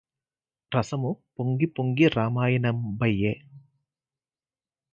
రసము పొంగి పొంగి రామాయణంబయ్యె